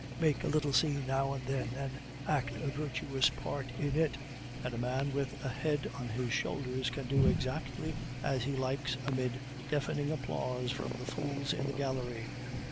Make a little scene now and then, and act a virtuous part in it, and a man with a head on his shoulders can do exactly as he likes amid deafening applause from the fools in the gallery.